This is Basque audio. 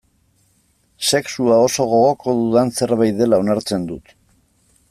Sexua oso gogoko dudan zerbait dela onartzen dut.